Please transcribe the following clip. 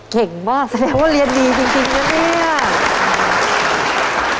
เก่งมากแสดงว่าเรียนดีจริงนะเนี่ย